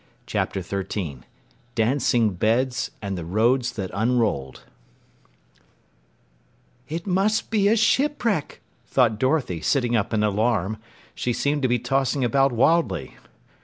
CHAPTER 13 DANCING BEDS AND THE ROADS THAT UNROLLED "It must be a shipwreck," thought Dorothy, sitting up in alarm. She seemed to be tossing about wildly.